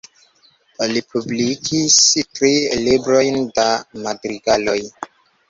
Li publikis tri librojn da madrigaloj.